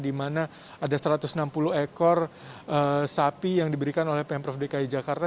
di mana ada satu ratus enam puluh ekor sapi yang diberikan oleh pemprov dki jakarta